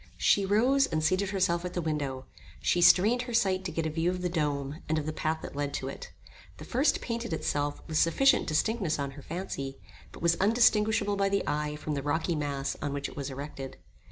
She rose, and seated herself at the window. She strained her sight to get a view of the dome, and of the path that led to it. The first painted itself with sufficient distinctness on her fancy, but was undistinguishable by the eye from the rocky mass on which it was erected.